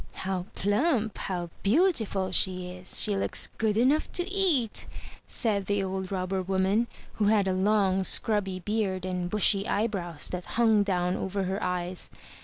How plump, how beautiful she is! She looks good enough to eat," said the old Robber woman, who had a long, scrubby beard, and bushy eyebrows that hung down over her eyes.